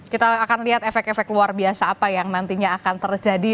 kita akan lihat efek efek luar biasa apa yang nantinya akan terjadi